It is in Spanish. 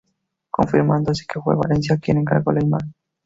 Confirmando así que fue Valencia quien encargo la imagen.